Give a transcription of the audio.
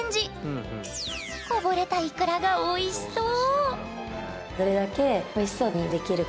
こぼれたイクラがおいしそう！